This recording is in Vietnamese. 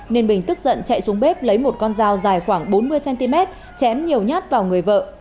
nên bình tức giận chạy xuống bếp lấy một con dao dài khoảng bốn mươi cm chém nhiều nhát vào người vợ